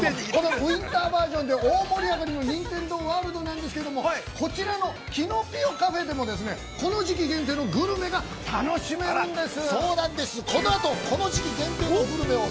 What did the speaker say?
ウインターバージョンで大盛り上がりのニンテンドー・ワールドなんですけれどもこちらのキノピオ・カフェでも、この時期限定のグルメが楽しめるんです。